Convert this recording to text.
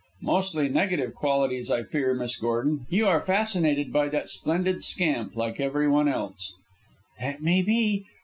"Mostly negative qualities, I fear, Miss Gordon. You are fascinated by that splendid scamp, like everyone else." "That may be.